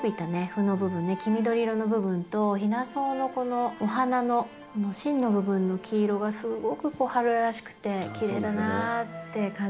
黄緑色の部分とヒナソウのこのお花の芯の部分の黄色がすごく春らしくてきれいだなって感じました。